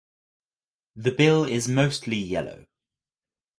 The bill is mostly yellow.